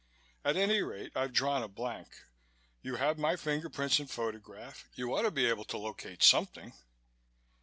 At any rate, I've drawn a blank. You have my fingerprints and photograph. You ought to be able to locate something."